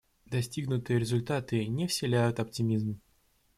Достигнутые результаты не вселяют оптимизм.